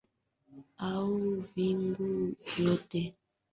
Au vinginevyo kawa ajili ya kuweza kuelewana na upande mwingine